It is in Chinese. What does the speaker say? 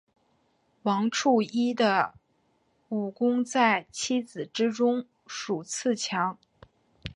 王处一的武功在七子之中数次强。